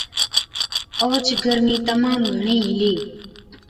اوهچ گرمِي تمام گھڻِي هِلِي،